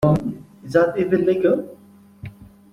Is that even legal?